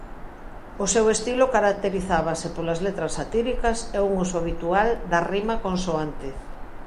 O seu estilo caracterizábase polas letras satíricas e un uso habitual da rima consoante.